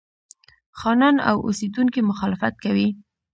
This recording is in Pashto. خانان او اوسېدونکي مخالفت کوي.